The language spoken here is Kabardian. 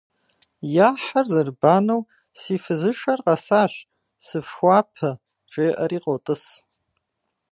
Я хьэр зэрыбанэу «Си фызышэр къэсащ, сыфхуапэ», — жеӏэри къотӏыс.